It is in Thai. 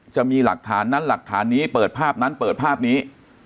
จะมีหลักฐานนั้นหลักฐานนี้เปิดภาพนั้นเปิดภาพนี้